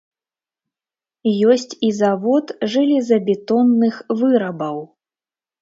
Ёсць і завод жалезабетонных вырабаў.